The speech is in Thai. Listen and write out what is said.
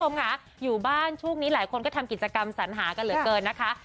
คุณผู้ชมค่ะอยู่บ้านช่วงนี้หลายคนก็ทำกิจกรรมสัญหากันเหลือเกินนะคะ